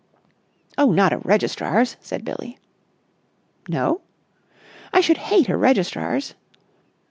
"Oh, not a registrar's!" said Billie. "No?" "I should hate a registrar's."